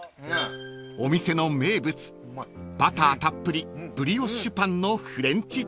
［お店の名物バターたっぷりブリオッシュパンのフレンチトースト］